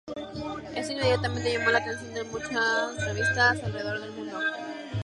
Esto inmediatamente llamó la atención de muchas revistas alrededor del mundo.